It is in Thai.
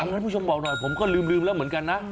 ให้ผู้ชมบอกหน่อยผมก็ลืมแล้วเหมือนกันนะ